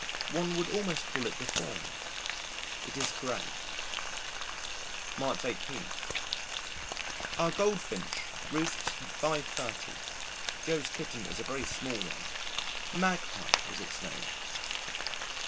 One would almost call it deformed. It is gray. March 18. Our Goldfinch roosts at 5.30. Joe's kitten is a very small one. "Magpie" is its name.